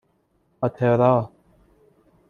آترا